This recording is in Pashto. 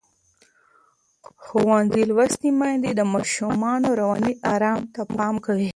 ښوونځې لوستې میندې د ماشومانو رواني آرام ته پام کوي.